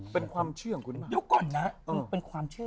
เป็นความเชื่อของคุณมาก